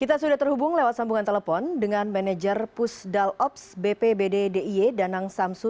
kita sudah terhubung lewat sambungan telepon dengan manajer pusdal ops bp bddi danang samsu